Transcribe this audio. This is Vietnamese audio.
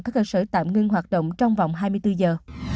các cơ sở tạm ngưng hoạt động trong vòng hai mươi bốn giờ